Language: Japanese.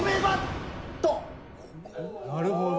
なるほど。